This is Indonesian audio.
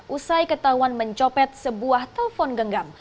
usai ketahuan mencopet sebuah telpon genggam